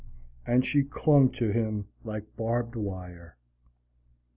And she clung to him like barbed wire.